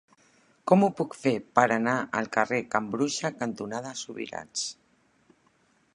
Com ho puc fer per anar al carrer Can Bruixa cantonada Subirats?